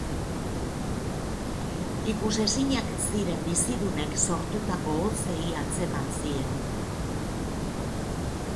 Ikusezinak ziren bizidunek sortutako hotsei antzeman zien.